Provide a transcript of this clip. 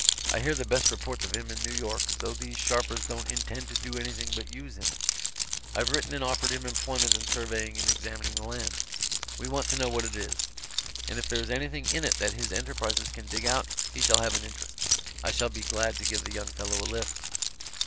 I hear the best reports of him in New York, though those sharpers don't intend to do anything but use him. I've written and offered him employment in surveying and examining the land. We want to know what it is. And if there is anything in it that his enterprise can dig out, he shall have an interest. I should be glad to give the young fellow a lift."